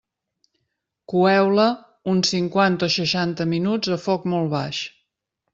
Coeu-la uns cinquanta o seixanta minuts a foc molt baix.